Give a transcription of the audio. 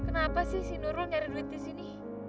kenapa sih si nurul nyari duit disini